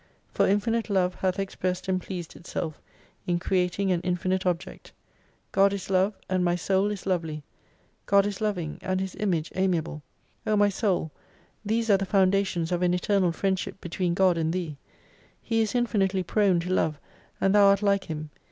For infinite Love hath exprest and pleased itself in creating an infinite object. God is Love, and my Soul is Lovely f God is loving, and His Image amiable. O my Soul these are the foundations of an Eternal Friendship between God and Thee. He is infinitely prone to love, and thou art like Him.